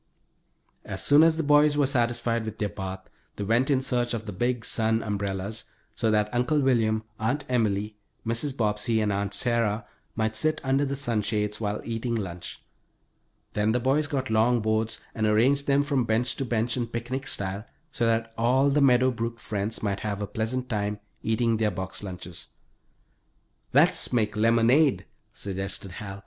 As soon as the boys were satisfied with their bath they went in search of the big sun umbrellas, so that Uncle William, Aunt Emily, Mrs. Bobbsey, and Aunt Sarah might sit under the sunshades, while eating lunch. Then the boys got long boards and arranged them from bench to bench in picnic style, so that all the Meadow Brook friends might have a pleasant time eating their box lunches. "Let's make lemonade," suggested Hal.